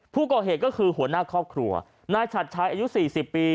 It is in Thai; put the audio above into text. ผู้ก่อเหตุก็คือหัวหน้าครอบครัวนายฉัดชายอายุ๔๐ปี